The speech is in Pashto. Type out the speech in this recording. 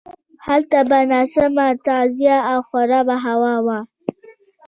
هلته به ناسمه تغذیه او خرابه هوا وه.